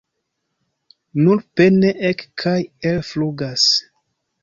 Nur pene ek- kaj el-flugas.